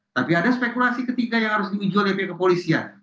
tapi ada spekulasi ketiga yang harus diuji oleh pihak kepolisian